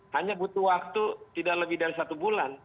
hanya butuh waktu tidak lebih dari satu bulan